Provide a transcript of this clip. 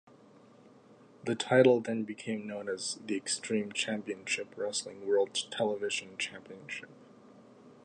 The title then became known as the Extreme Championship Wrestling World Television Championship.